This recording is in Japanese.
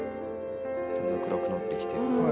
だんだん暗くなってきて。